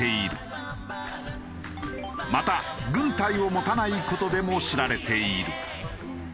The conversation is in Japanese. また軍隊を持たない事でも知られている。